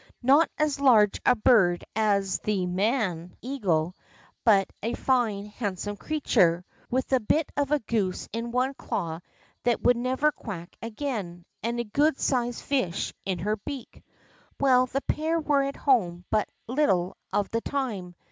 Not as large a bird as the man eagle, but a fine, handsome creature, with a bit of a goose in one claw that would never quack again, and a good sized fish in her beak. Well, the pair were at home but little of the time.